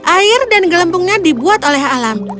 air dan gelembungnya dibuat oleh alam